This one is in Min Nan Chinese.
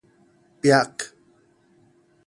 煏